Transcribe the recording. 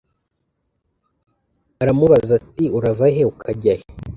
aramubaza ati urava he ukajya he